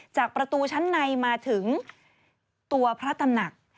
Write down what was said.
จากประตูชั้นในมาถึงตัวพระตำหนัก